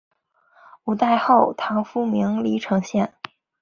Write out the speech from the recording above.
五代后唐复名黎城县。